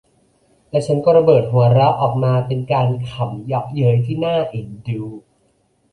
และฉันก็ระเบิดหัวเราะออกมา เป็นการขำเยาะเย้ยที่น่าเอ็นดู